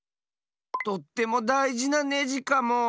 とってもだいじなネジかも。